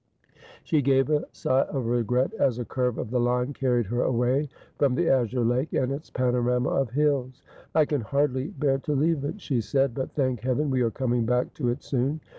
287 She gave a sigh of regret as a curve of the line carried her away from the azure lake and its panorama of hills. ' I can hardly bear to leave it,' she said ;' but, thank Heaven, we are coming back to it soon.'